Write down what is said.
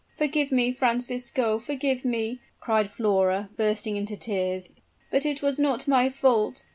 "Forgive me, Francisco: forgive me!" cried Flora, bursting into tears; "but it was not my fault!